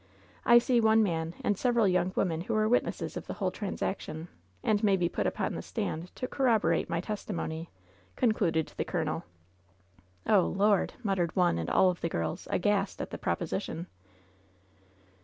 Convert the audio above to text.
I see one man and several young women who were witnesses of the whole transaction, and may be put upon the stand to corroborate my testimony," concluded the colonel. "Oh, Lord !" muttered one and all of the girls, aghast at the proposition.